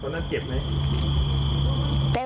ตอนนั้นเจ็บไหม